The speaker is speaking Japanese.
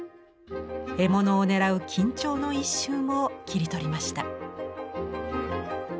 獲物を狙う緊張の一瞬を切り取りました。